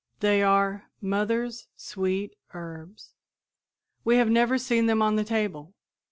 They are "mother's sweet herbs." We have never seen them on the table.